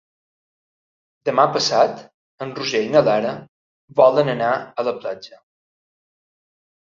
Demà passat en Roger i na Lara volen anar a la platja.